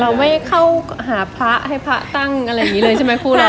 เราไม่เข้าหาพระให้พระตั้งอะไรอย่างนี้เลยใช่ไหมครูเรา